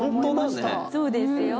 そうですよ。